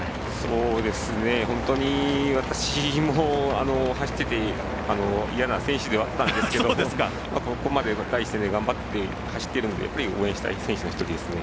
そうですね、本当に私も走っていて嫌な選手ではあったんですけどここまで第一線で頑張って走っているので応援したい選手の一人ですね。